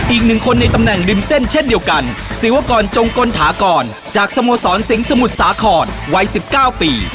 อีกหนึ่งคนในตำแหน่งริมเส้นเช่นเดียวกันศิวกรจงกลถากรจากสโมสรสิงห์สมุทรสาครวัย๑๙ปี